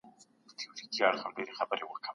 هغه د چاپیریال په پاک ساتلو اخته دی.